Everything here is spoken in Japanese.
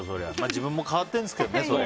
自分も変わってるんですけどね。